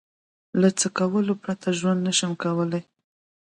له څه کولو پرته ژوند نشم کولای؟